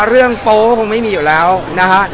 เรื่องโป๊ะก็คงไม่มีอยู่แล้วนะฮะ